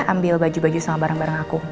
ambil baju baju sama barang barang aku